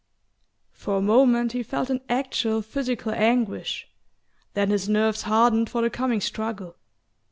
For a moment he felt an actual physical anguish; then his nerves hardened for the coming struggle.